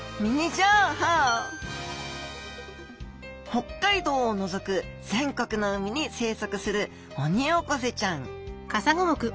北海道を除く全国の海に生息するオニオコゼちゃん